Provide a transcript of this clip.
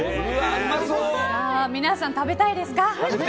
皆さん食べたいですか？